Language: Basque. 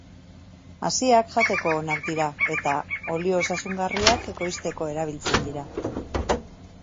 Haziak jateko onak dira eta olio osasungarriak ekoizteko erabiltzen dira.